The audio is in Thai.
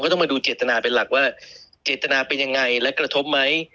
ต้องมาดูเจตนาเป็นหลักว่าเจตนาเป็นยังไงและกระทบไหม